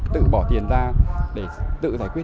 tự bỏ tiền ra để tự giải quyết